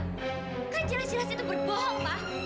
kan jelas jelas itu berbohong pak